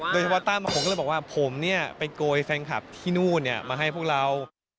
ตั้มผมก็เลยบอกว่าผมเนี่ยไปโกยแฟนคลับที่นู่นมาให้พวกเรา